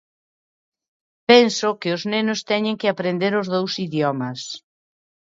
Penso que os nenos teñen que aprender os dous idiomas.